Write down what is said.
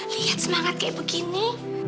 lihat semangat kayak begini